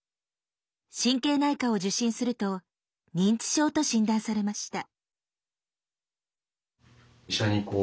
神経内科を受診すると認知症と診断されました。